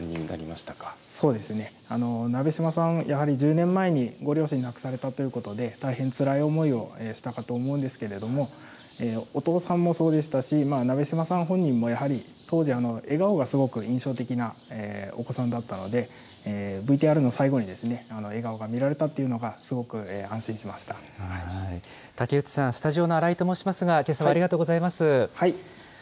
そうですね、鍋島さん、やはり１０年前にご両親亡くされたということで、大変つらい思いをしたかと思うんですけれども、お父さんもそうでしたし、鍋島さん本人もやはり、当時、笑顔がすごく印象的なお子さんだったので、ＶＴＲの最後にですね、あの笑顔が見られたっていうのが、すごく安武内さん、スタジオの新井と申しますが、けさはありがとうございます。